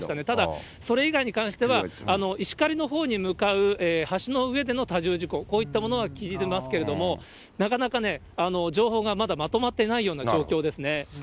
ただ、それ以外に関しては、石狩のほうに向かう橋の上での多重事故、こういったものは聞いてますけれども、なかなかね、情報がまだまとまっていないような状況ですね。